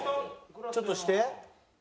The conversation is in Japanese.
ちょっとして。